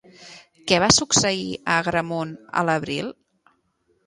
Què va succeir a Agramunt a l'abril?